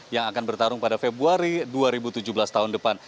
yang akan bertarung pada februari dua ribu tujuh belas tahun depan